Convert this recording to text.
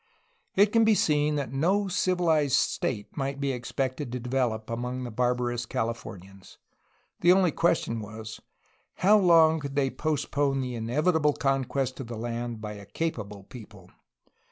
It can be seen that no civilized state might be expected to develop among the barbarous Californians. The only question was : How long could they postpone the inevitable conquest of the land by a capable people?